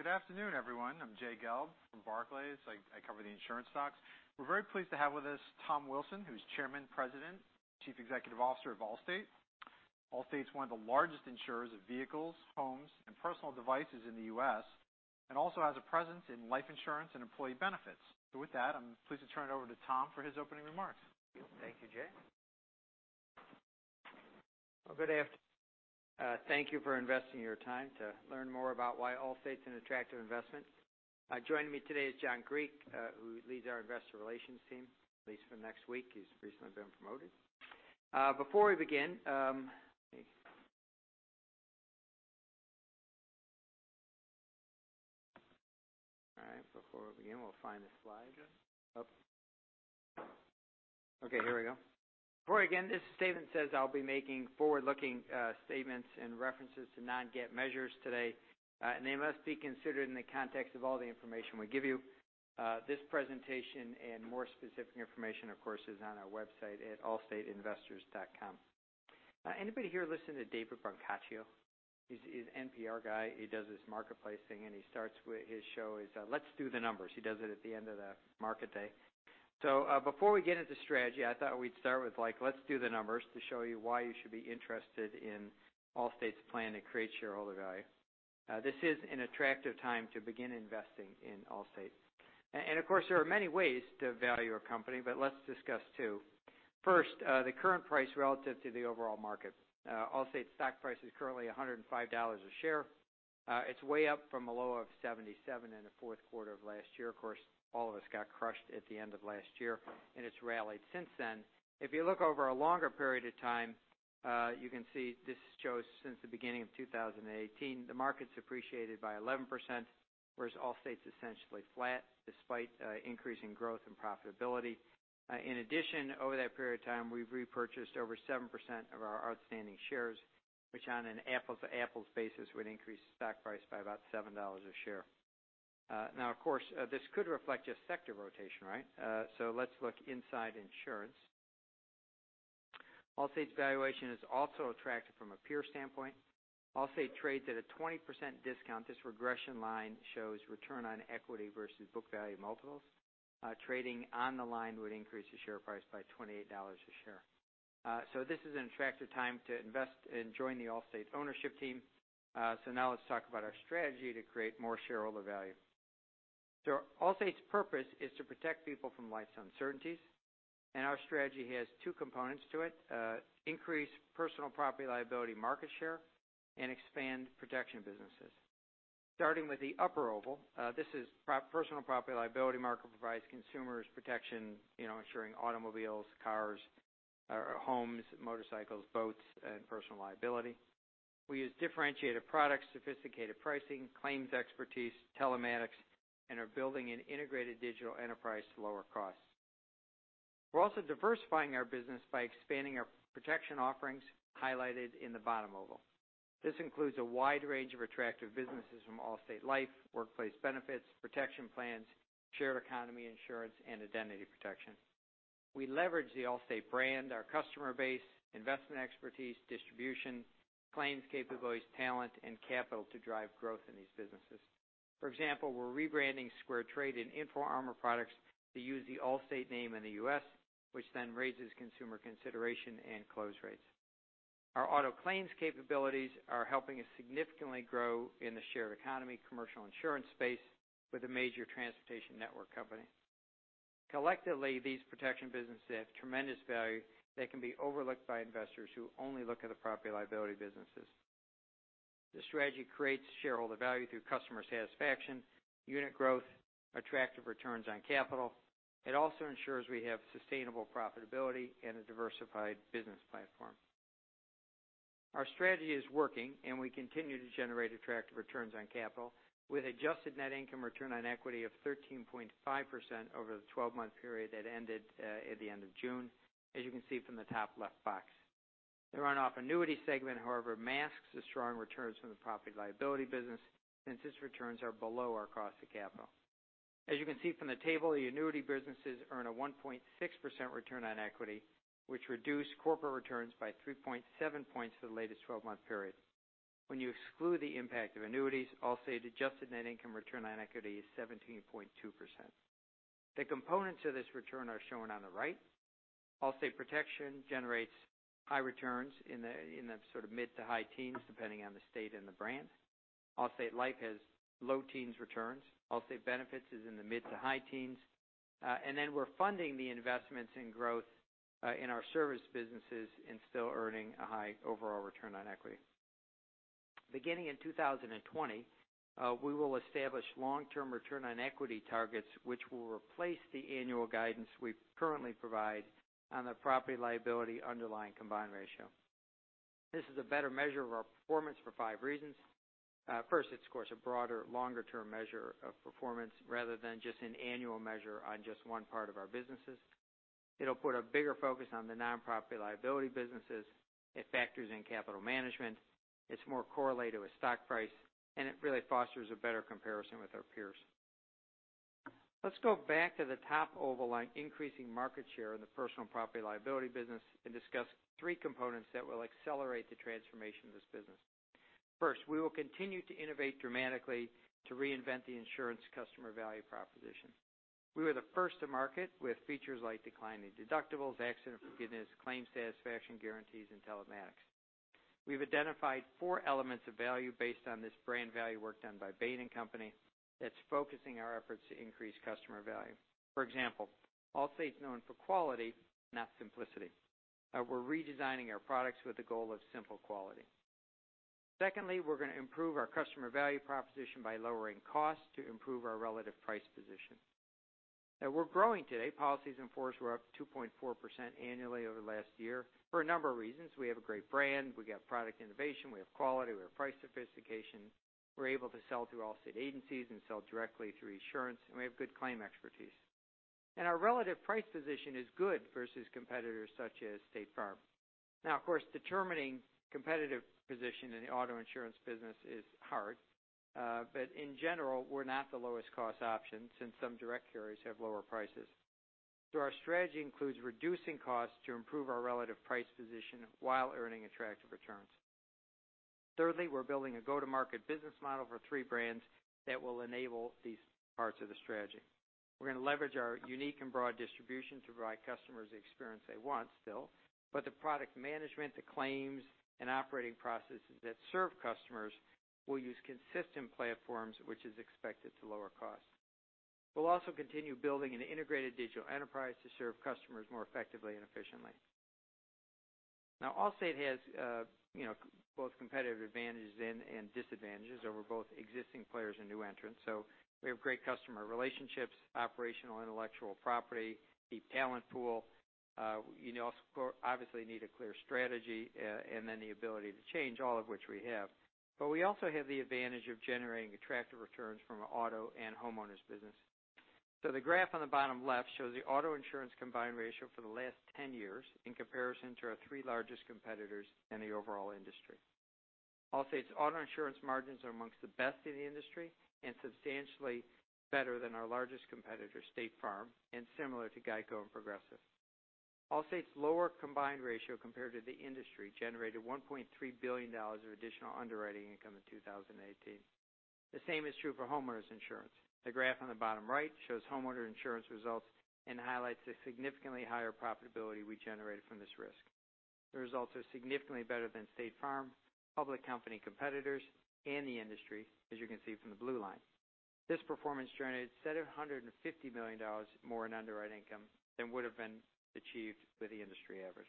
Good afternoon, everyone. I'm Jay Gelb from Barclays. I cover the insurance stocks. We're very pleased to have with us Tom Wilson, who's Chairman, President, Chief Executive Officer of Allstate. Allstate's one of the largest insurers of vehicles, homes, and personal devices in the U.S., and also has a presence in life insurance and employee benefits. With that, I'm pleased to turn it over to Tom for his opening remarks. Thank you, Jay. Well, thank you for investing your time to learn more about why Allstate's an attractive investment. Joining me today is John Griek, who leads our investor relations team, at least for the next week. He's recently been promoted. All right. Before we begin, we'll find the slide. Sure. Okay, here we go. Before we begin, this statement says I'll be making forward-looking statements and references to non-GAAP measures today, and they must be considered in the context of all the information we give you. This presentation, and more specific information, of course, is on our website at allstateinvestors.com. Anybody here listen to David Brancaccio? He's an NPR guy. He does this marketplace thing, and he starts with his show is, "Let's Do the Numbers." He does it at the end of the market day. Before we get into strategy, I thought we'd start with let's do the numbers to show you why you should be interested in Allstate's plan to create shareholder value. This is an attractive time to begin investing in Allstate. Of course, there are many ways to value a company, but let's discuss two. First, the current price relative to the overall market. Allstate stock price is currently $105 a share. It's way up from a low of $77 in the fourth quarter of last year. Of course, all of us got crushed at the end of last year, and it's rallied since then. If you look over a longer period of time, you can see this shows since the beginning of 2018, the market's appreciated by 11%, whereas Allstate's essentially flat despite increasing growth and profitability. In addition, over that period of time, we've repurchased over 7% of our outstanding shares, which on an apples-to-apples basis would increase stock price by about $7 a share. Of course, this could reflect a sector rotation, right? Let's look inside insurance. Allstate's valuation is also attractive from a peer standpoint. Allstate trades at a 20% discount. This regression line shows return on equity versus book value multiples. Trading on the line would increase the share price by $28 a share. This is an attractive time to invest and join The Allstate ownership team. Now let's talk about our strategy to create more shareholder value. Allstate's purpose is to protect people from life's uncertainties, and our strategy has two components to it, increase personal property/liability market share and expand protection businesses. Starting with the upper oval, this is personal property/liability market provides consumers protection, insuring automobiles, cars, homes, motorcycles, boats, and personal liability. We use differentiated products, sophisticated pricing, claims expertise, telematics, and are building an integrated digital enterprise to lower costs. We're also diversifying our business by expanding our protection offerings, highlighted in the bottom oval. This includes a wide range of attractive businesses from Allstate Life, workplace benefits, protection plans, shared economy insurance, and identity protection. We leverage The Allstate brand, our customer base, investment expertise, distribution, claims capabilities, talent, and capital to drive growth in these businesses. For example, we're rebranding SquareTrade and InfoArmor products to use The Allstate name in the U.S., which then raises consumer consideration and close rates. Our auto claims capabilities are helping us significantly grow in the shared economy commercial insurance space with a major transportation network company. Collectively, these protection businesses have tremendous value that can be overlooked by investors who only look at the property/liability businesses. This strategy creates shareholder value through customer satisfaction, unit growth, attractive returns on capital. It also ensures we have sustainable profitability and a diversified business platform. Our strategy is working. We continue to generate attractive returns on capital with adjusted net income return on equity of 13.5% over the 12-month period that ended at the end of June, as you can see from the top left box. The run-off annuity segment, however, masks the strong returns from the property/liability business since its returns are below our cost of capital. As you can see from the table, the annuity businesses earn a 1.6% return on equity, which reduced corporate returns by 3.7 points for the latest 12-month period. When you exclude the impact of annuities, Allstate adjusted net income return on equity is 17.2%. The components of this return are shown on the right. Allstate Protection generates high returns in the mid to high teens, depending on the state and the brand. Allstate Life has low teens returns. Allstate Benefits is in the mid to high teens. We're funding the investments in growth in our service businesses and still earning a high overall return on equity. Beginning in 2020, we will establish long-term return on equity targets, which will replace the annual guidance we currently provide on the property/liability underlying combined ratio. This is a better measure of our performance for five reasons. First, it's of course, a broader, longer-term measure of performance rather than just an annual measure on just one part of our businesses. It'll put a bigger focus on the non-property/liability businesses. It factors in capital management. It's more correlated with stock price, and it really fosters a better comparison with our peers. Let's go back to the top oval line, increasing market share in the personal property/liability business, and discuss three components that will accelerate the transformation of this business. First, we will continue to innovate dramatically to reinvent the insurance customer value proposition. We were the first to market with features like declining deductibles, Accident Forgiveness, Claim Satisfaction Guarantee, and telematics. We've identified four elements of value based on this brand value work done by Bain & Company that's focusing our efforts to increase customer value. For example, Allstate's known for quality, not simplicity. We're redesigning our products with the goal of simple quality. Secondly, we're going to improve our customer value proposition by lowering costs to improve our relative price position. We're growing today. Policies in force were up 2.4% annually over the last year for a number of reasons. We have a great brand. We got product innovation. We have quality. We have price sophistication. We're able to sell through Allstate agencies and sell directly through Esurance, and we have good claim expertise. Our relative price position is good versus competitors such as State Farm. Of course, determining competitive position in the auto insurance business is hard. In general, we're not the lowest cost option since some direct carriers have lower prices. Our strategy includes reducing costs to improve our relative price position while earning attractive returns. Thirdly, we're building a go-to-market business model for three brands that will enable these parts of the strategy. We're going to leverage our unique and broad distribution to provide customers the experience they want still, but the product management, the claims, and operating processes that serve customers will use consistent platforms, which is expected to lower costs. We'll also continue building an integrated digital enterprise to serve customers more effectively and efficiently. Allstate has both competitive advantages and disadvantages over both existing players and new entrants. We have great customer relationships, operational intellectual property, deep talent pool. You also obviously need a clear strategy, and then the ability to change, all of which we have. We also have the advantage of generating attractive returns from our auto and homeowners business. The graph on the bottom left shows the auto insurance combined ratio for the last 10 years in comparison to our three largest competitors and the overall industry. Allstate's auto insurance margins are amongst the best in the industry and substantially better than our largest competitor, State Farm, and similar to GEICO and Progressive. Allstate's lower combined ratio compared to the industry generated $1.3 billion of additional underwriting income in 2018. The same is true for homeowners insurance. The graph on the bottom right shows homeowner insurance results and highlights the significantly higher profitability we generated from this risk. The results are significantly better than State Farm, public company competitors, and the industry, as you can see from the blue line. This performance generated $750 million more in underwriting income than would've been achieved with the industry average.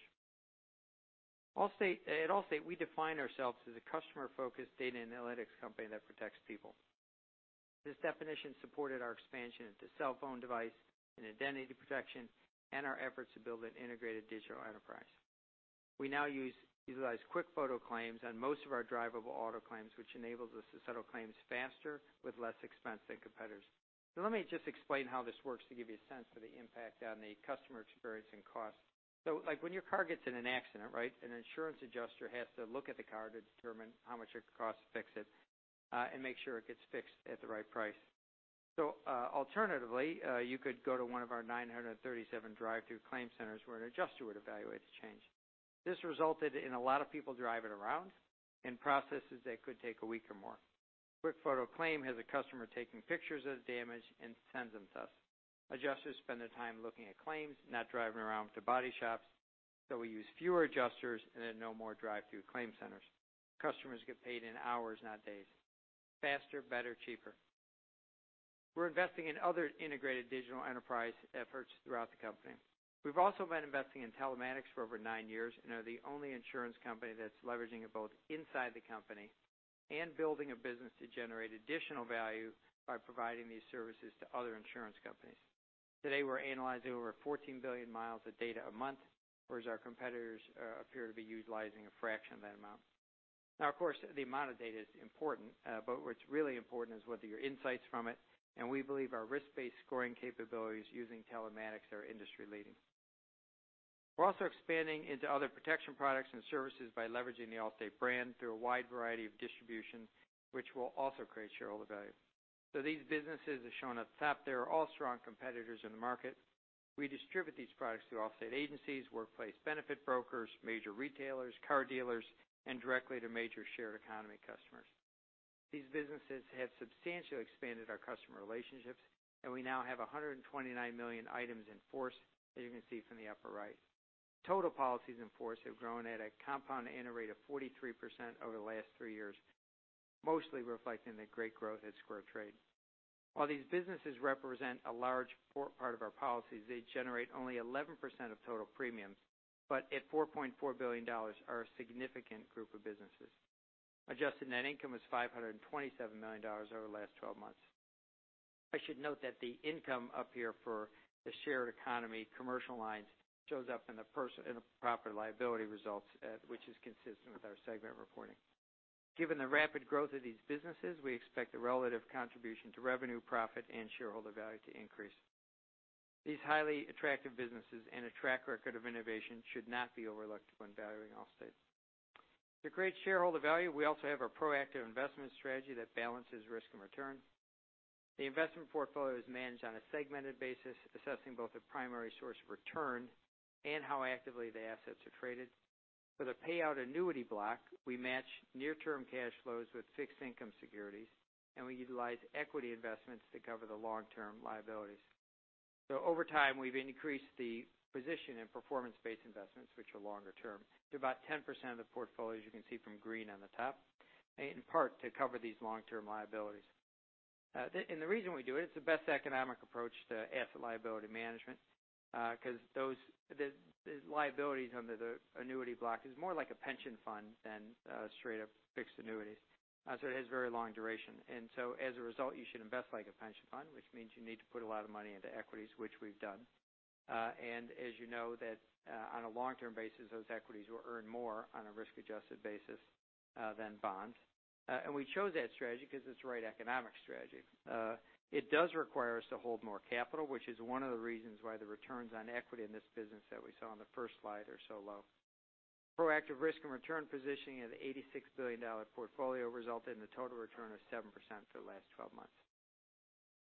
At Allstate, we define ourselves as a customer-focused data analytics company that protects people. This definition supported our expansion into cell phone device and identity protection and our efforts to build an integrated digital enterprise. We now utilize QuickFoto Claims on most of our drivable auto claims, which enables us to settle claims faster with less expense than competitors. Let me just explain how this works to give you a sense of the impact on the customer experience and cost. When your car gets in an accident, an insurance adjuster has to look at the car to determine how much it costs to fix it, and make sure it gets fixed at the right price. Alternatively, you could go to one of our 937 drive-thru claim centers where an adjuster would evaluate the change. This resulted in a lot of people driving around in processes that could take a week or more. QuickFoto Claim has a customer taking pictures of the damage and sends them to us. Adjusters spend their time looking at claims, not driving around to body shops. We use fewer adjusters and then no more drive-thru claim centers. Customers get paid in hours, not days. Faster, better, cheaper. We're investing in other integrated digital enterprise efforts throughout the company. We've also been investing in telematics for over nine years and are the only insurance company that's leveraging it both inside the company and building a business to generate additional value by providing these services to other insurance companies. Today, we're analyzing over 14 billion miles of data a month, whereas our competitors appear to be utilizing a fraction of that amount. Now, of course, the amount of data is important, but what's really important is what are your insights from it, and we believe our risk-based scoring capabilities using telematics are industry leading. We're also expanding into other protection products and services by leveraging the Allstate brand through a wide variety of distribution, which will also create shareholder value. These businesses are shown at the top. They are all strong competitors in the market. We distribute these products through Allstate agencies, workplace benefit brokers, major retailers, car dealers, and directly to major shared economy customers. These businesses have substantially expanded our customer relationships, and we now have 129 million items in force, as you can see from the upper right. Total policies in force have grown at a compound annual rate of 43% over the last three years, mostly reflecting the great growth at SquareTrade. While these businesses represent a large part of our policies, they generate only 11% of total premiums, but at $4.4 billion, are a significant group of businesses. Adjusted net income was $527 million over the last 12 months. I should note that the income up here for the shared economy commercial lines shows up in the personal and property liability results, which is consistent with our segment reporting. Given the rapid growth of these businesses, we expect the relative contribution to revenue, profit, and shareholder value to increase. These highly attractive businesses and a track record of innovation should not be overlooked when valuing Allstate. To create shareholder value, we also have a proactive investment strategy that balances risk and return. The investment portfolio is managed on a segmented basis, assessing both the primary source of return and how actively the assets are traded. For the payout annuity block, we match near-term cash flows with fixed income securities, and we utilize equity investments to cover the long-term liabilities. Over time, we've increased the position in performance-based investments, which are longer term, to about 10% of the portfolio, as you can see from green on the top, in part to cover these long-term liabilities. The reason we do it's the best economic approach to asset liability management, because the liabilities under the annuity block is more like a pension fund than a straight-up fixed annuity. It has a very long duration. As a result, you should invest like a pension fund, which means you need to put a lot of money into equities, which we've done. As you know that on a long-term basis, those equities will earn more on a risk-adjusted basis than bonds. We chose that strategy because it's the right economic strategy. It does require us to hold more capital, which is one of the reasons why the returns on equity in this business that we saw on the first slide are so low. Proactive risk and return positioning of the $86 billion portfolio resulted in a total return of 7% for the last 12 months.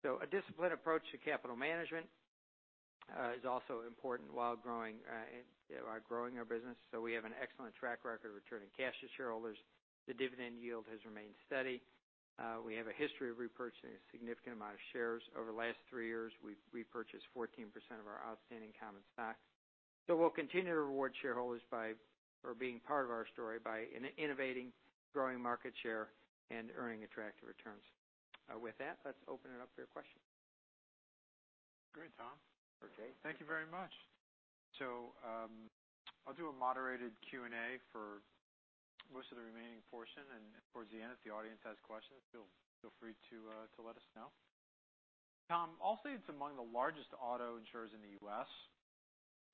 A disciplined approach to capital management is also important while growing our business. We have an excellent track record of returning cash to shareholders. The dividend yield has remained steady. We have a history of repurchasing a significant amount of shares. Over the last three years, we've repurchased 14% of our outstanding common stock. We'll continue to reward shareholders for being part of our story by innovating, growing market share, and earning attractive returns. With that, let's open it up for your questions. Great, Tom. Okay. Thank you very much. I'll do a moderated Q&A for most of the remaining portion. Towards the end, if the audience has questions, feel free to let us know. Tom, Allstate's among the largest auto insurers in the U.S.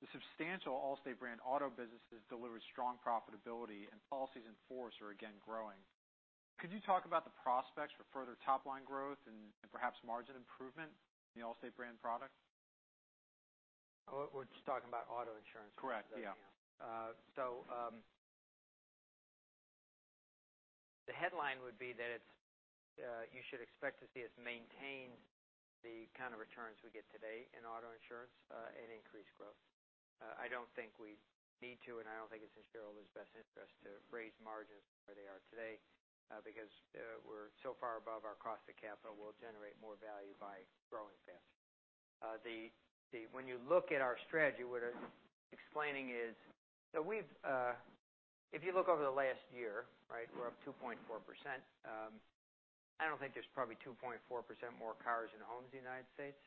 The substantial Allstate brand auto businesses deliver strong profitability, and policies in force are again growing. Could you talk about the prospects for further top-line growth and perhaps margin improvement in the Allstate brand product? We're just talking about auto insurance? Correct. Yeah. The headline would be that you should expect to see us maintain the kind of returns we get today in auto insurance at increased growth. I don't think we need to, and I don't think it's in shareholders' best interest to raise margins from where they are today, because we're so far above our cost of capital, we'll generate more value by growing faster. When you look at our strategy, what I'm explaining is, if you look over the last year, we're up 2.4%. I don't think there's probably 2.4% more cars than homes in the United States.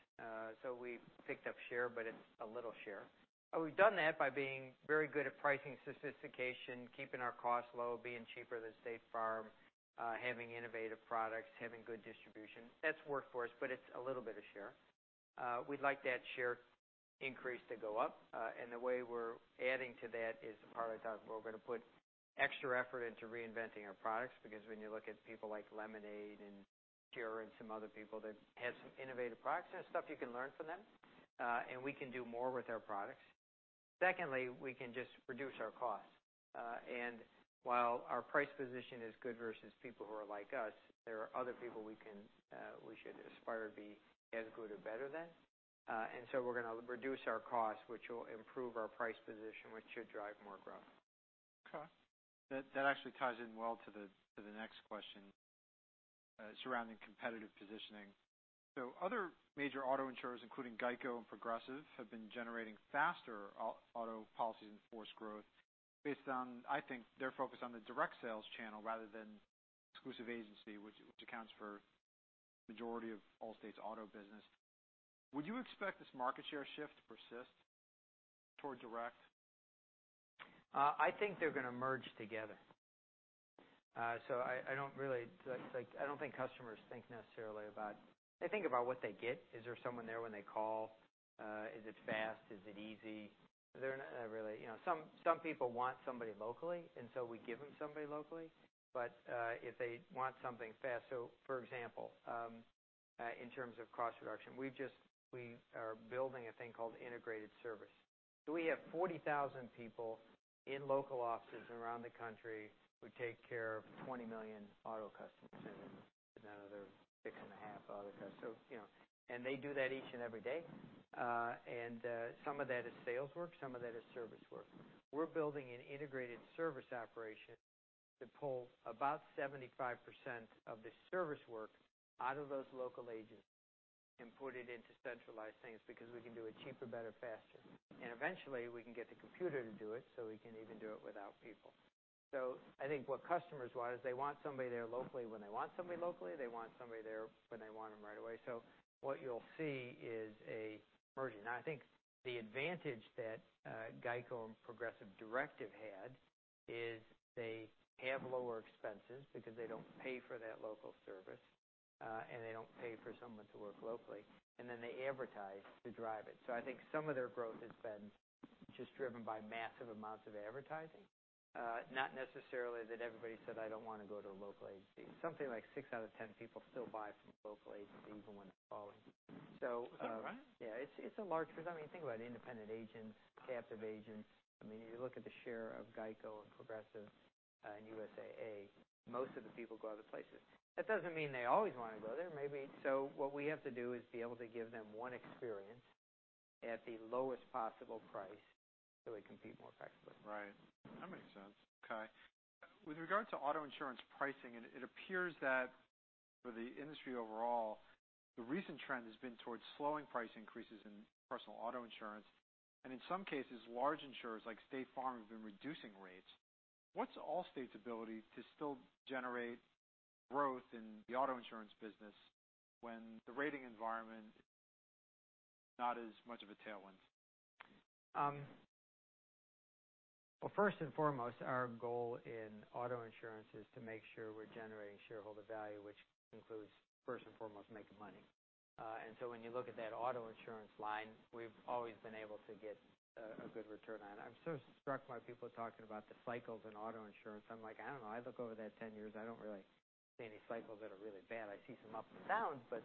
We've picked up share, but it's a little share. We've done that by being very good at pricing sophistication, keeping our costs low, being cheaper than State Farm, having innovative products, having good distribution. That's worked for us, but it's a little bit of share. We'd like that share increase to go up, and the way we're adding to that is the part I thought we're going to put extra effort into reinventing our products because when you look at people like Lemonade and CURE and some other people that have some innovative products, there's stuff you can learn from them. We can do more with our products. Secondly, we can just reduce our cost. While our price position is good versus people who are like us, there are other people we should aspire to be as good or better than. We're going to reduce our cost, which will improve our price position, which should drive more growth. Okay. That actually ties in well to the next question surrounding competitive positioning. Other major auto insurers, including GEICO and Progressive, have been generating faster auto policies in force growth based on, I think, their focus on the direct sales channel rather than exclusive agency, which accounts for majority of Allstate's auto business. Would you expect this market share shift to persist towards direct? I think they're going to merge together. I don't think customers think necessarily about. They think about what they get. Is there someone there when they call? Is it fast? Is it easy? Some people want somebody locally. We give them somebody locally, but if they want something fast. In terms of cost reduction, we are building a thing called integrated service. We have 40,000 people in local offices around the country who take care of 20 million auto customers and another six and a half other customers. They do that each and every day. Some of that is sales work, some of that is service work. We're building an integrated service operation to pull about 75% of the service work out of those local agencies and put it into centralized things because we can do it cheaper, better, faster. Eventually, we can get the computer to do it, so we can even do it without people. I think what customers want is they want somebody there locally when they want somebody locally. They want somebody there when they want them right away. What you'll see is a merging. I think the advantage that GEICO and Progressive direct had is they have lower expenses because they don't pay for that local service, and they don't pay for someone to work locally. They advertise to drive it. I think some of their growth has been just driven by massive amounts of advertising. Not necessarily that everybody said, "I don't want to go to a local agency." Something like six out of 10 people still buy from local agencies even when it's falling. Is that right? Yeah, it's a large because, think about independent agents, captive agents. You look at the share of GEICO and Progressive and USAA, most of the people go other places. That doesn't mean they always want to go there. What we have to do is be able to give them one experience at the lowest possible price so we compete more effectively. Right. That makes sense. Okay. With regard to auto insurance pricing, it appears that for the industry overall, the recent trend has been towards slowing price increases in personal auto insurance, and in some cases, large insurers like State Farm have been reducing rates. What's Allstate's ability to still generate growth in the auto insurance business when the rating environment is not as much of a tailwind? Well, first and foremost, our goal in auto insurance is to make sure we're generating shareholder value, which includes, first and foremost, making money. When you look at that auto insurance line, we've always been able to get a good return on it. I'm so struck by people talking about the cycles in auto insurance. I'm like, I don't know. I look over that 10 years, I don't really see any cycles that are really bad. I see some ups and downs, but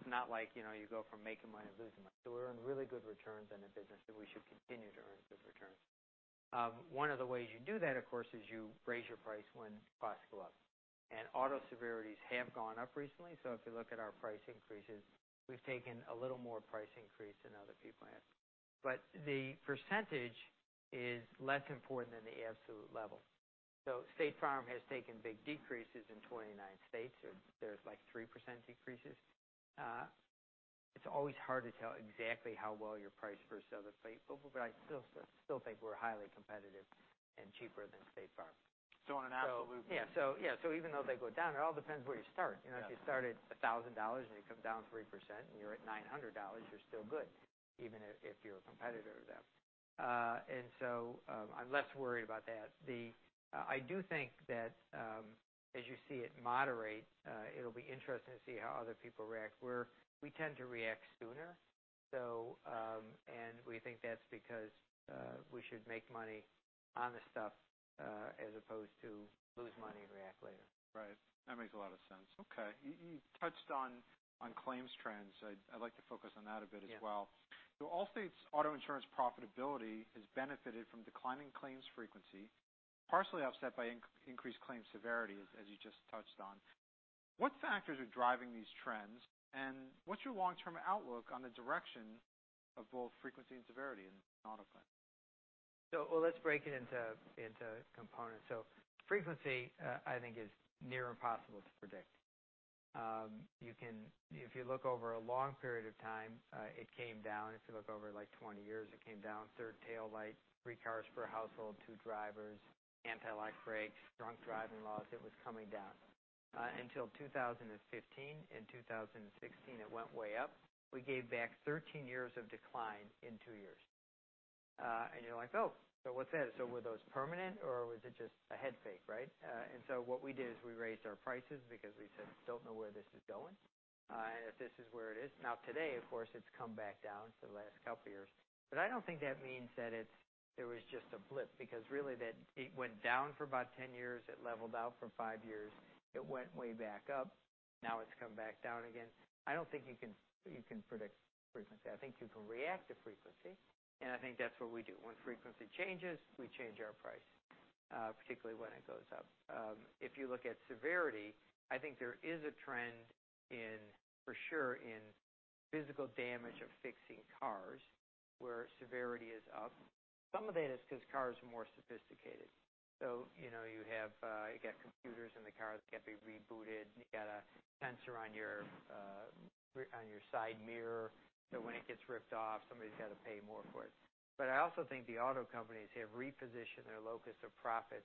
it's not like you go from making money to losing money. We earn really good returns in the business, and we should continue to earn good returns. One of the ways you do that, of course, is you raise your price when costs go up. Auto severities have gone up recently, if you look at our price increases, we've taken a little more price increase than other people have. The percentage is less important than the absolute level. State Farm has taken big decreases in 29 states, or there's like 3% decreases. It's always hard to tell exactly how well you're priced versus other people, but I still think we're highly competitive and cheaper than State Farm. On an absolute- Yeah. Even though they go down, it all depends where you start. Yeah. If you start at $1,000 and you come down 3% and you're at $900, you're still good, even if you're a competitor of them. I'm less worried about that. I do think that, as you see it moderate, it'll be interesting to see how other people react, where we tend to react sooner. We think that's because we should make money on the stuff, as opposed to lose money and react later. Right. That makes a lot of sense. Okay. You touched on claims trends. I'd like to focus on that a bit as well. Yeah. Allstate's auto insurance profitability has benefited from declining claims frequency, partially offset by increased claims severity, as you just touched on. What factors are driving these trends, and what's your long-term outlook on the direction of both frequency and severity in auto claims? Well, let's break it into components. Frequency, I think is near impossible to predict. If you look over a long period of time, it came down. If you look over like 20 years, it came down. Third tail light, three cars per household, two drivers, anti-lock brakes, drunk driving laws. It was coming down, until 2015 and 2016, it went way up. We gave back 13 years of decline in two years. You're like, "Oh, what's that?" Were those permanent or was it just a head fake, right? What we did is we raised our prices because we said, "Don't know where this is going." If this is where it is now, today, of course, it's come back down for the last couple of years. I don't think that means that it was just a blip, because really it went down for about 10 years. It leveled out for five years. It went way back up. Now it's come back down again. I don't think you can predict frequency. I think you can react to frequency, and I think that's what we do. When frequency changes, we change our price, particularly when it goes up. If you look at severity, I think there is a trend for sure in physical damage of fixing cars, where severity is up. Some of that is because cars are more sophisticated. You got computers in the car that can be rebooted. You got a sensor on your side mirror, when it gets ripped off, somebody's got to pay more for it. I also think the auto companies have repositioned their locus of profits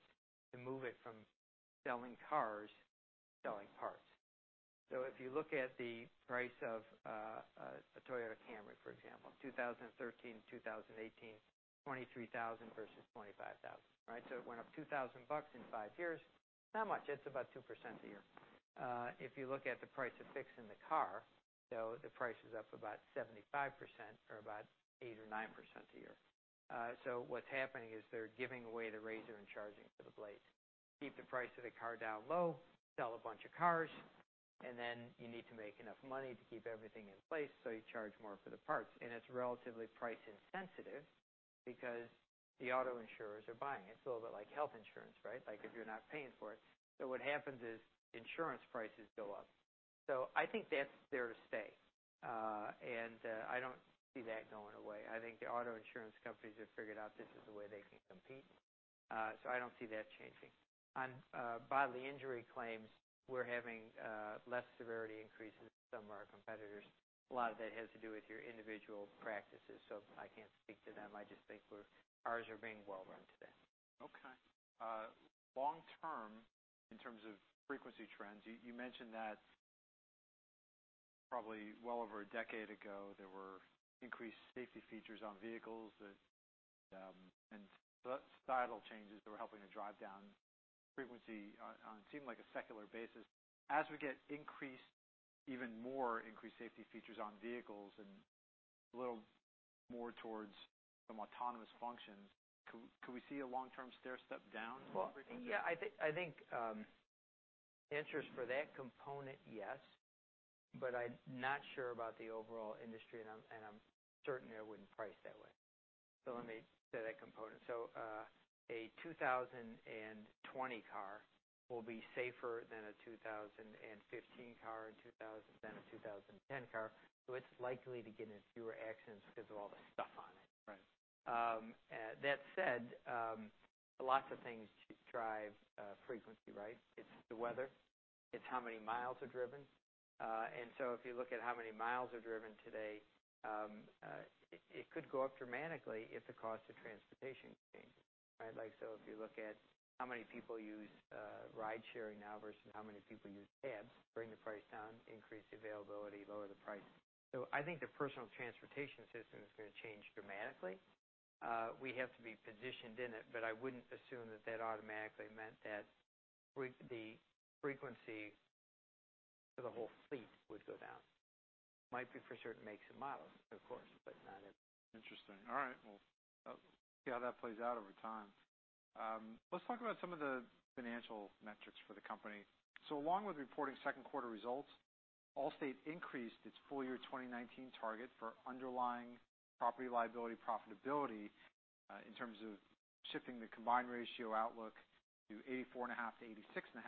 to move it from selling cars to selling parts. If you look at the price of a Toyota Camry, for example, 2013 to 2018, $23,000 versus $25,000. It went up $2,000 in five years. Not much, that's about 2% a year. If you look at the price of fixing the car, the price is up about 75%, or about eight or nine percent a year. What's happening is they're giving away the razor and charging for the blades. Keep the price of the car down low, sell a bunch of cars, then you need to make enough money to keep everything in place, you charge more for the parts. It's relatively price insensitive because the auto insurers are buying. It's a little bit like health insurance, right? Like if you're not paying for it. What happens is insurance prices go up. I think that's there to stay. I don't see that going away. I think the auto insurance companies have figured out this is the way they can compete. I don't see that changing. On bodily injury claims, we're having less severity increases than some of our competitors. A lot of that has to do with your individual practices, so I can't speak to them. I just think ours are being well run today. Okay. Long term, in terms of frequency trends, you mentioned that probably well over a decade ago, there were increased safety features on vehicles that. That's diagonal changes that we're helping to drive down frequency on what seemed like a secular basis. As we get even more increased safety features on vehicles and a little more towards some autonomous functions, could we see a long-term stairstep down in frequency? Well, yeah. I think the answer is for that component, yes. I'm not sure about the overall industry, and I'm certain I wouldn't price that way. Let me say that component. A 2020 car will be safer than a 2015 car, than a 2010 car. It's likely to get into fewer accidents because of all the stuff on it. Right. That said, lots of things drive frequency, right? It's the weather. It's how many miles are driven. If you look at how many miles are driven today, it could go up dramatically if the cost of transportation changes, right? If you look at how many people use ride sharing now versus how many people use cabs, bring the price down, increase availability, lower the price. I think the personal transportation system is going to change dramatically. We have to be positioned in it, but I wouldn't assume that that automatically meant that the frequency for the whole fleet would go down. Might be for certain makes and models, of course, but not every- Interesting. All right. Well, we'll see how that plays out over time. Let's talk about some of the financial metrics for the company. Along with reporting second quarter results, Allstate increased its full-year 2019 target for underlying P&C profitability, in terms of shifting the combined ratio outlook to 84.5%-86.5%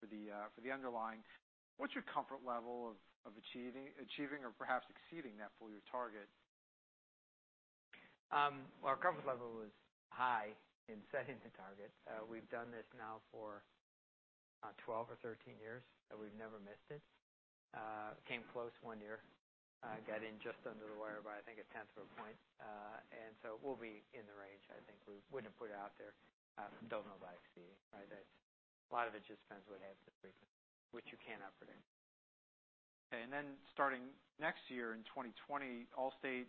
for the underlying. What's your comfort level of achieving or perhaps exceeding that full-year target? Our comfort level is high in setting the target. We've done this now for 12 or 13 years, and we've never missed it. Came close one year. Got in just under the wire by, I think, a tenth of a point. We'll be in the range, I think. We wouldn't put it out there if we don't know by exceeding, right? A lot of it just depends what happens with frequency, which you cannot predict. Starting next year in 2020, Allstate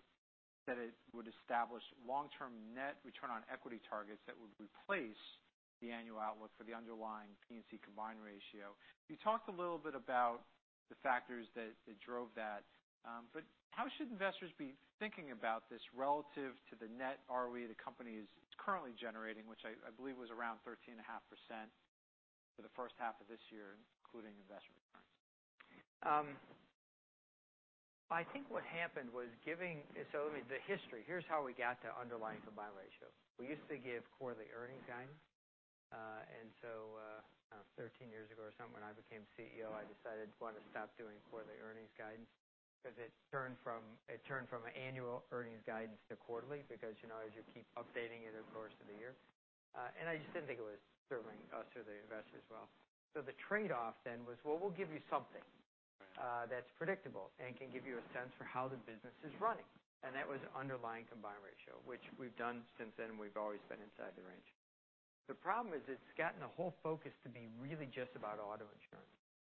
said it would establish long-term net return on equity targets that would replace the annual outlook for the underlying P&C combined ratio. You talked a little bit about the factors that drove that. How should investors be thinking about this relative to the net ROE the company is currently generating, which I believe was around 13.5% for the first half of this year, including investment returns? I think what happened was giving. The history, here's how we got to underlying combined ratio. We used to give quarterly earnings guidance. 13 years ago or something when I became CEO, I decided we ought to stop doing quarterly earnings guidance because it turned from annual earnings guidance to quarterly because as you keep updating it over the course of the year. I just didn't think it was serving us or the investors well. The trade-off then was, well, we'll give you something. Right That's predictable and can give you a sense for how the business is running. That was underlying combined ratio, which we've done since then, we've always been inside the range. The problem is it's gotten the whole focus to be really just about auto insurance.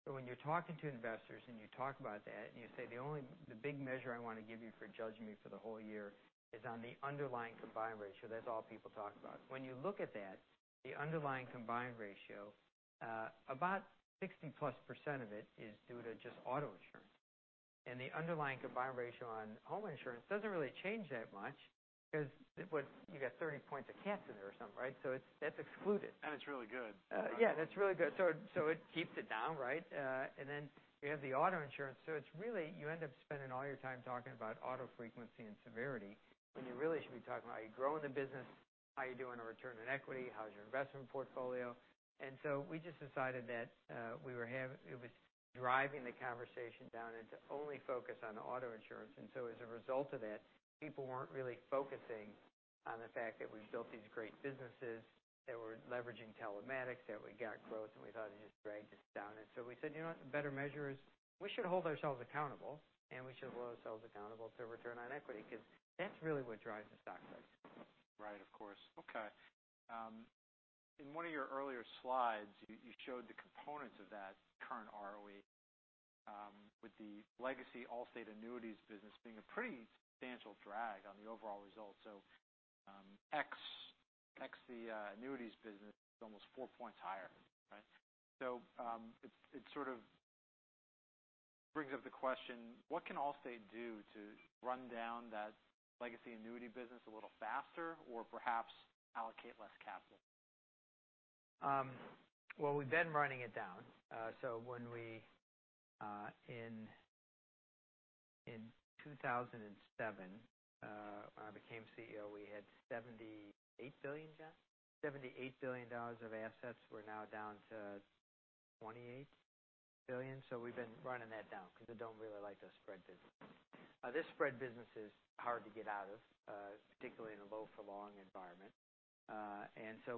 When you're talking to investors and you talk about that, and you say the big measure I want to give you for judging me for the whole year is on the underlying combined ratio, that's all people talk about. When you look at that, the underlying combined ratio, about 60-plus% of it is due to just auto insurance. The underlying combined ratio on home insurance doesn't really change that much because you got 30 points of cat there or something, right? That's excluded. It's really good. Yeah, it's really good. It keeps it down, right? Then you have the auto insurance. It's really, you end up spending all your time talking about auto frequency and severity, when you really should be talking about how you're growing the business, how you're doing a return on equity, how's your investment portfolio. We just decided that it was driving the conversation down into only focus on auto insurance. As a result of that, people weren't really focusing on the fact that we've built these great businesses, that we're leveraging telematics, that we got growth, and we thought it just dragged us down. We said, you know what? The better measure is we should hold ourselves accountable, and we should hold ourselves accountable to return on equity because that's really what drives the stock price. Right. Of course. Okay. In one of your earlier slides, you showed the components of that current ROE with the legacy Allstate annuities business being a pretty substantial drag on the overall results. Ex the annuities business, it's almost four points higher, right? It sort of brings up the question, what can Allstate do to run down that legacy annuity business a little faster, or perhaps allocate less capital? We've been running it down. When we, in 2007, I became CEO, we had $78 billion, John? $78 billion of assets. We're now down to $28 billion. We've been running that down because I don't really like those spread businesses. This spread business is hard to get out of, particularly in a low-for-long environment.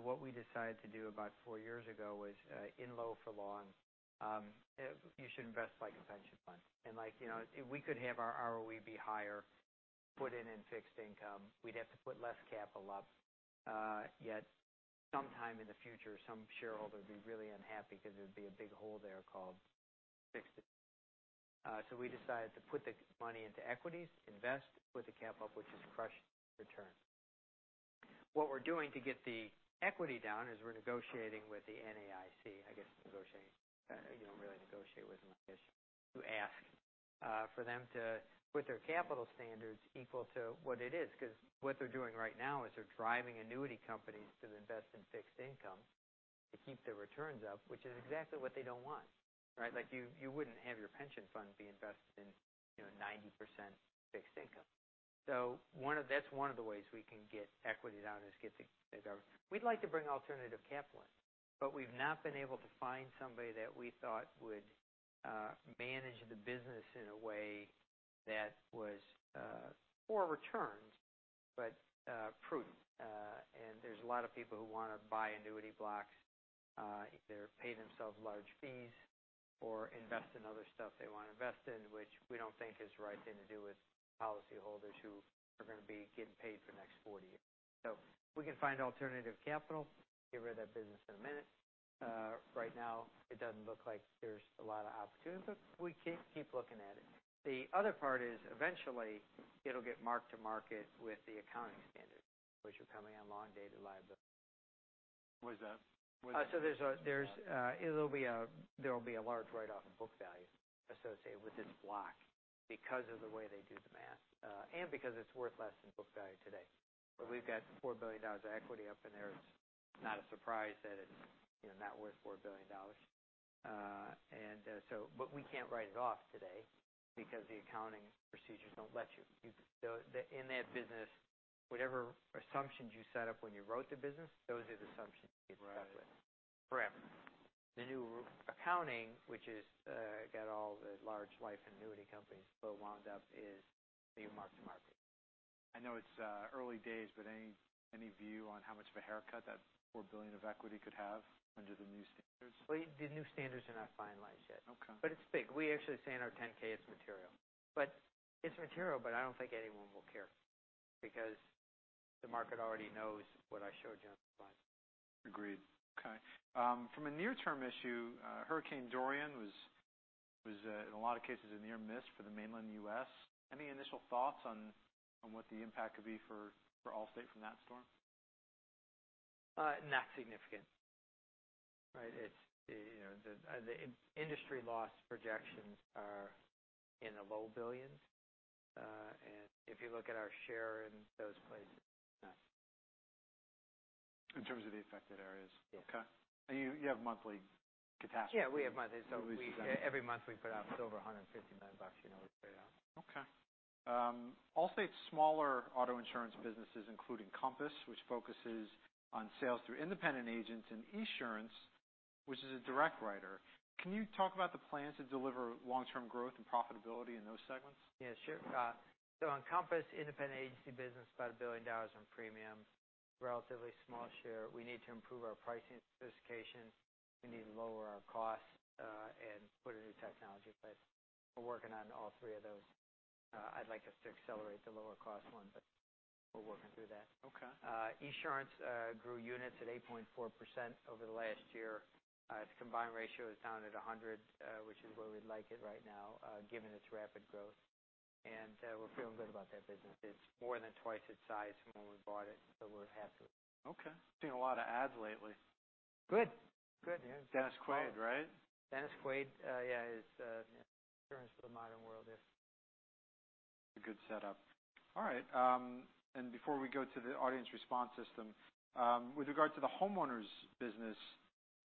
What we decided to do about four years ago was, in low for long, you should invest like a pension fund. If we could have our ROE be higher, put in in fixed income, we'd have to put less capital up. Yet sometime in the future, some shareholder would be really unhappy because there'd be a big hole there called fixed. We decided to put the money into equities, invest, put the cap up, which has crushed return. What we're doing to get the equity down is we're negotiating with the NAIC. I guess negotiating, you don't really negotiate with them, I guess. You ask for them to put their capital standards equal to what it is, because what they're doing right now is they're driving annuity companies to invest in fixed income to keep their returns up, which is exactly what they don't want, right? You wouldn't have your pension fund be invested in 90% fixed income. That's one of the ways we can get equity down is get the government. We'd like to bring alternative capital in, but we've not been able to find somebody that we thought would manage the business in a way that was for returns, but prudent. There's a lot of people who want to buy annuity blocks, either pay themselves large fees or invest in other stuff they want to invest in, which we don't think is the right thing to do with policy holders who are going to be getting paid for the next 40 years. If we can find alternative capital, get rid of that business in a minute. Right now, it doesn't look like there's a lot of opportunity, but we keep looking at it. The other part is eventually it'll get marked to market with the accounting standard, which are coming on long-dated liability. What is that? There will be a large write-off in book value associated with this block because of the way they do the math. Because it's worth less than book value today. We've got $4 billion of equity up in there. It's not a surprise that it's not worth $4 billion. We can't write it off today because the accounting procedures don't let you. In that business, whatever assumptions you set up when you wrote the business, those are the assumptions you get stuck with forever. The new accounting, which has got all the large life annuity companies a little wound up is being mark-to-market. I know it's early days, but any view on how much of a haircut that $4 billion of equity could have under the new standards? Well, the new standards are not finalized yet. Okay. It's big. We actually say in our 10-K it's material. It's material, but I don't think anyone will care because the market already knows what I showed you on the slide. Agreed. Okay. From a near-term issue, Hurricane Dorian was, in a lot of cases, a near miss for the mainland U.S. Any initial thoughts on what the impact could be for Allstate from that storm? Not significant. Right. The industry loss projections are in the $low billions. If you look at our share in those places, it's nothing. In terms of the affected areas. Yes. Okay. You have monthly catastrophe. Yeah, we have monthly. Every month we put out, it's over $150 million, we pay out. Okay. Allstate's smaller auto insurance businesses, including Encompass, which focuses on sales through independent agents and Esurance, which is a direct writer. Can you talk about the plans to deliver long-term growth and profitability in those segments? Yeah, sure. On Encompass independent agency business, about $1 billion on premium, relatively small share. We need to improve our pricing sophistication. We need to lower our costs, and put a new technology in place. We're working on all three of those. I'd like us to accelerate the lower cost one, but we're working through that. Okay. Esurance grew units at 8.4% over the last year. Its combined ratio is down at 100%, which is where we'd like it right now, given its rapid growth. We're feeling good about that business. It's more than twice its size from when we bought it, so we're happy with it. Okay. Seen a lot of ads lately. Good. Dennis Quaid, right? Dennis Quaid, yeah. He's the insurance for the modern world. A good setup. All right. Before we go to the audience response system, with regard to the homeowners business,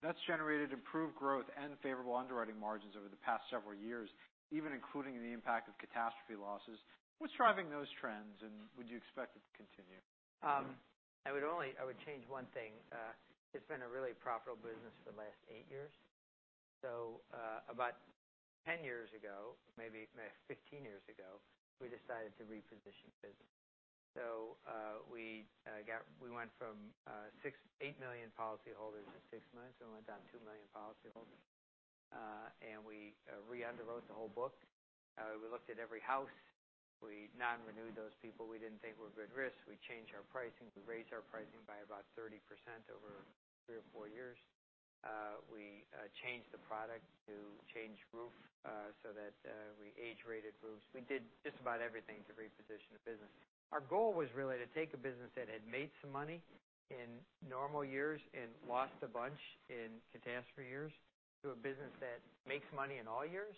that's generated improved growth and favorable underwriting margins over the past several years, even including the impact of catastrophe losses. What's driving those trends, and would you expect it to continue? I would change one thing. It's been a really profitable business for the last eight years. About 10 years ago, maybe 15 years ago, we decided to reposition the business. We went from 8 million policyholders in six months and went down to 2 million policyholders. We re-underwrote the whole book. We looked at every house. We non-renewed those people we didn't think were good risks. We changed our pricing. We raised our pricing by about 30% over three or four years. We changed the product to change roof, so that we age-rated roofs. We did just about everything to reposition the business. Our goal was really to take a business that had made some money in normal years and lost a bunch in catastrophe years to a business that makes money in all years,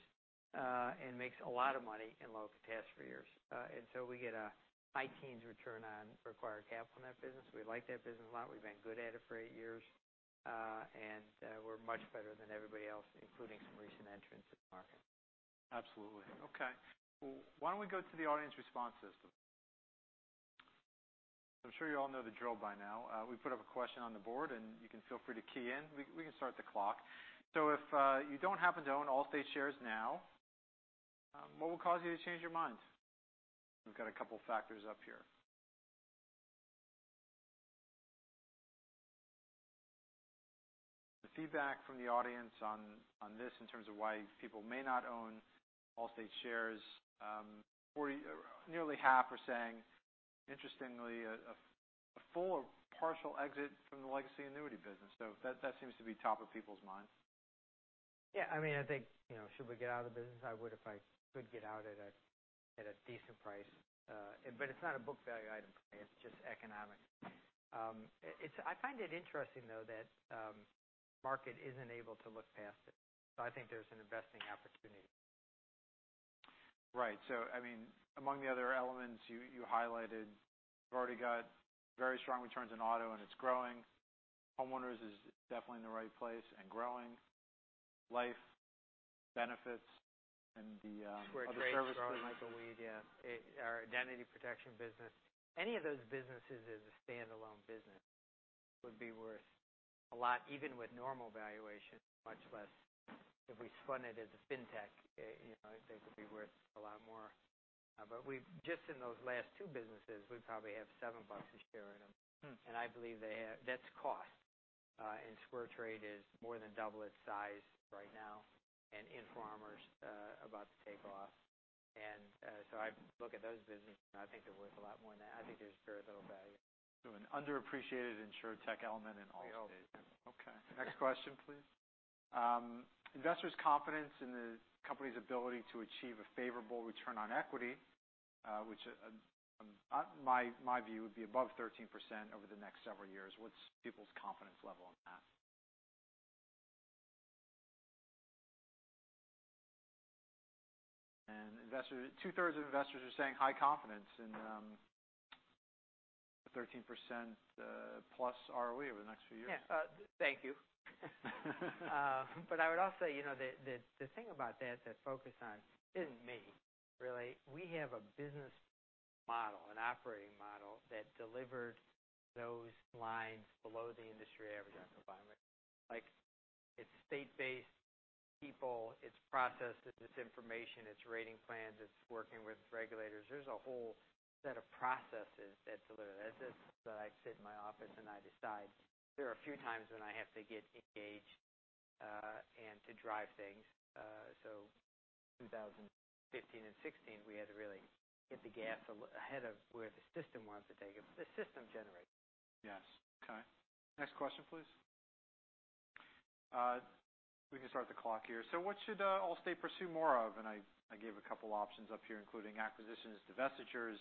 and makes a lot of money in low catastrophe years. We get a high teens return on required capital in that business. We like that business a lot. We've been good at it for eight years. We're much better than everybody else, including some recent entrants to the market. Absolutely. Okay. Why don't we go to the audience response system? I'm sure you all know the drill by now. We put up a question on the board, and you can feel free to key in. We can start the clock. If you don't happen to own Allstate shares now, what will cause you to change your mind? We've got a couple of factors up here. The feedback from the audience on this in terms of why people may not own Allstate shares, nearly half are saying, interestingly- Full or partial exit from the legacy annuity business. That seems to be top of people's minds. Yeah. I think, should we get out of the business? I would if I could get out at a decent price. It's not a book value item, per se, it's just economic. I find it interesting, though, that market isn't able to look past it. I think there's an investing opportunity. Right. Among the other elements you highlighted, you've already got very strong returns in auto, and it's growing. Homeowners is definitely in the right place and growing. Life, benefits, and the other service business. SquareTrade is growing like a weed. Our identity protection business. Any of those businesses as a standalone business would be worth a lot, even with normal valuation, much less if we spun it as a fintech, they could be worth a lot more. Just in those last two businesses, we probably have $7 a share in them. I believe that's cost. SquareTrade is more than double its size right now, and InfoArmor, about to take off. I look at those businesses, and I think they're worth a lot more than that. I think there's very little value. An underappreciated insurtech element in Allstate. We hope. Okay. Next question, please. Investors' confidence in the company's ability to achieve a favorable return on equity, which in my view, would be above 13% over the next several years. What's people's confidence level on that? Two-thirds of investors are saying high confidence in a 13% plus ROE over the next few years. Yeah. Thank you. I would also say, the thing about that focus on isn't me, really. We have a business model, an operating model that delivered those lines below the industry average environment. It's state-based people, it's processes, it's information, it's rating plans, it's working with regulators. There's a whole set of processes that deliver that. It's not that I sit in my office, and I decide. There are a few times when I have to get engaged, to drive things. 2015 and 2016, we had to really hit the gas ahead of where the system wanted to take it. The system generates it. Yes. Okay. Next question, please. We can start the clock here. What should Allstate pursue more of? I gave a couple options up here, including acquisitions, divestitures,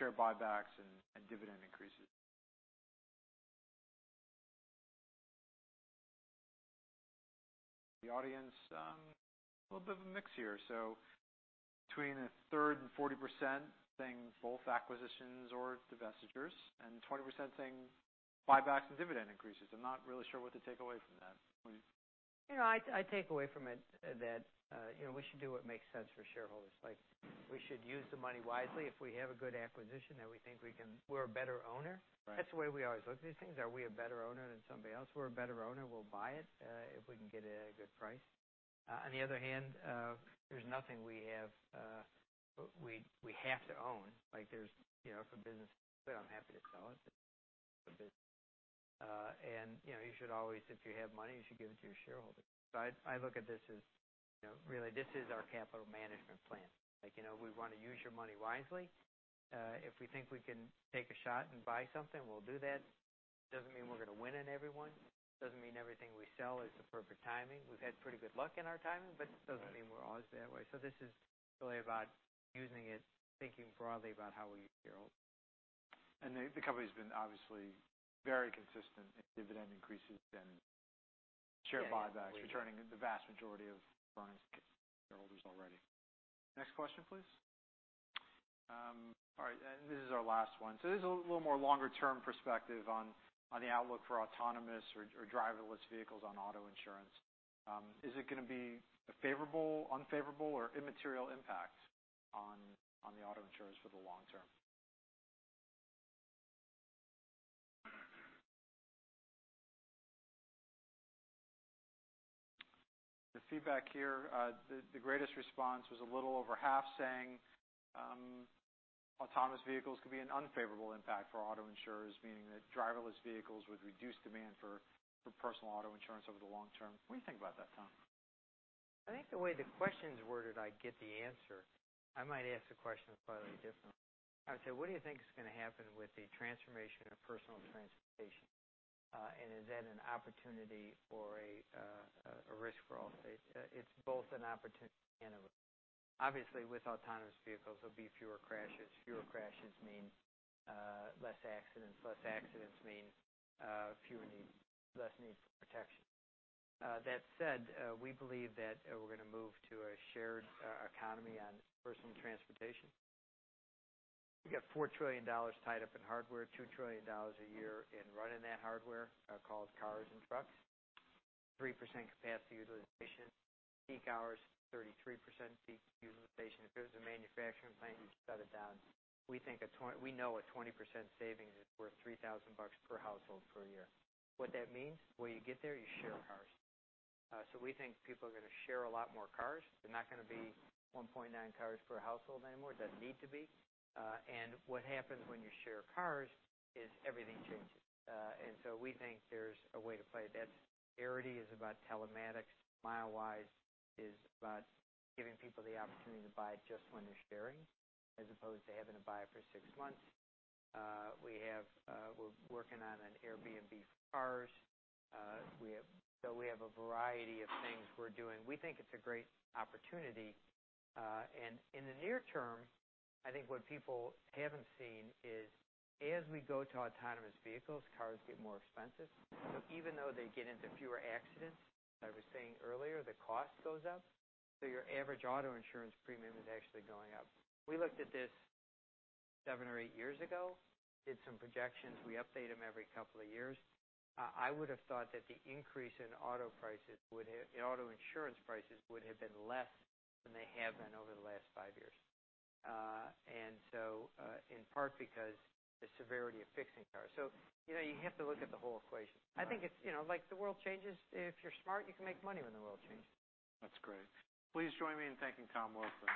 share buybacks, and dividend increases. The audience, a little bit of a mix here. Between a third and 40% saying both acquisitions or divestitures, and 20% saying buybacks and dividend increases. I'm not really sure what to take away from that. What do you think? I take away from it that we should do what makes sense for shareholders. We should use the money wisely. If we have a good acquisition that we think we're a better owner. Right. That's the way we always look at these things. Are we a better owner than somebody else? We're a better owner, we'll buy it, if we can get it at a good price. On the other hand, there's nothing we have to own. If a business is for sale, I'm happy to sell it. If it's a good business. You should always, if you have money, you should give it to your shareholders. I look at this as really, this is our capital management plan. We want to use your money wisely. If we think we can take a shot and buy something, we'll do that. Doesn't mean we're going to win in every one. Doesn't mean everything we sell is the perfect timing. We've had pretty good luck in our timing, but it doesn't mean we're always that way. This is really about using it, thinking broadly about how we use shareholders' money. The company's been obviously very consistent in dividend increases and share buybacks- Yes. Returning the vast majority of earnings to shareholders already. Next question, please. All right, this is our last one. This is a little more longer-term perspective on the outlook for autonomous or driverless vehicles on auto insurance. Is it going to be a favorable, unfavorable, or immaterial impact on auto insurance for the long term? The feedback here, the greatest response was a little over half saying autonomous vehicles could be an unfavorable impact for auto insurers, meaning that driverless vehicles would reduce demand for personal auto insurance over the long term. What do you think about that, Tom? I think the way the question's worded, I get the answer. I might ask the question slightly differently. I would say, what do you think is going to happen with the transformation of personal transportation? Is that an opportunity or a risk for Allstate? It's both an opportunity and a risk. Obviously, with autonomous vehicles, there'll be fewer crashes. Fewer crashes mean less accidents. Less accidents mean less need for protection. That said, we believe that we're going to move to a shared economy on personal transportation. We got $4 trillion tied up in hardware, $2 trillion a year in running that hardware, called cars and trucks. 3% capacity utilization. Peak hours, 33% peak utilization. If it was a manufacturing plant, you'd shut it down. We know a 20% savings is worth $3,000 per household per year. What that means, when you get there, you share cars. We think people are going to share a lot more cars. They're not going to be 1.9 cars per household anymore. Doesn't need to be. What happens when you share cars is everything changes. We think there's a way to play. That's Arity is about telematics. Milewise is about giving people the opportunity to buy just when they're sharing, as opposed to having to buy it for 6 months. We're working on an Airbnb for cars. We have a variety of things we're doing. We think it's a great opportunity. In the near term, I think what people haven't seen is as we go to autonomous vehicles, cars get more expensive. Even though they get into fewer accidents, as I was saying earlier, the cost goes up. Your average auto insurance premium is actually going up. We looked at this 7 or 8 years ago, did some projections. We update them every couple of years. I would have thought that the increase in auto insurance prices would have been less than they have been over the last 5 years. In part because the severity of fixing cars. You have to look at the whole equation. Right. I think it's like the world changes. If you're smart, you can make money when the world changes. That's great. Please join me in thanking Tom Wilson.